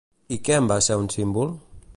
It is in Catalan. I en què va ser un símbol?